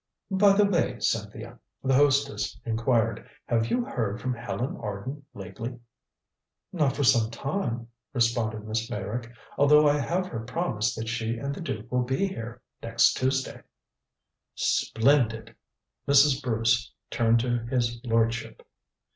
"By the way, Cynthia," the hostess inquired, "have you heard from Helen Arden lately?" "Not for some time," responded Miss Meyrick, "although I have her promise that she and the duke will be here next Tuesday." "Splendid." Mrs. Bruce turned to his lordship.